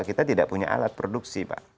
kita tidak punya alat produksi pak